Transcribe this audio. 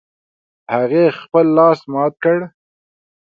هغې خپل لاس مات کړ